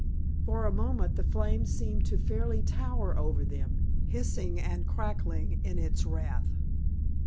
For a moment the flames seemed to fairly tower over them, hissing and crackling in its wrath.